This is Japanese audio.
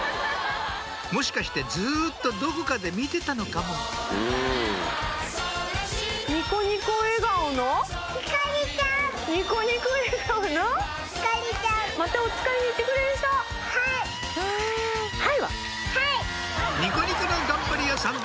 もしかしてずっとどこかで見てたのかも「はい」は？